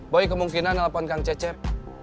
boy kemungkinan nelfon kang cecep